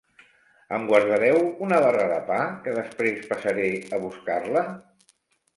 Em guardareu una barra de pa, que després passaré a buscar-la?